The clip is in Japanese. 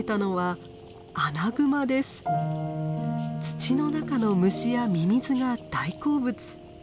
土の中の虫やミミズが大好物。